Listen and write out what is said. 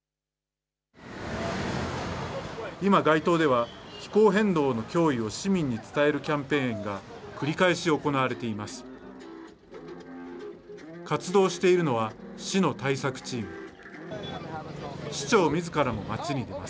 今、街頭では気候変動の脅威を市民に伝えるキャンペーンが繰り返し行われています。